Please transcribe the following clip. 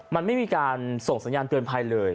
มันไม่มีการส่งสัญญาณเตือนภัยเลย